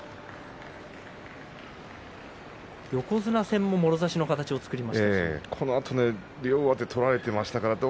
横綱戦も、もろ差しの形を作りましたね。